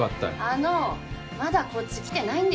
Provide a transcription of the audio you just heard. ・あのうまだこっち来てないんですけど。